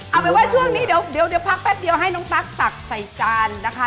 เอาเป็นว่าช่วงนี้เดี๋ยวพักแป๊บเดียวให้น้องตั๊กตักใส่จานนะคะ